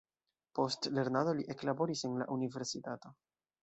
Post lernado li eklaboris en la universitato.